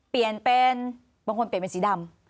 เปลี่ยนเป็นบางคนเปลี่ยนเป็นสีดำ